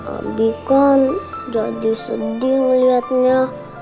abi kan jadi sedih melihatnya